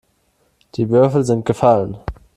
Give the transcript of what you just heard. Die Würfel sind gefallen.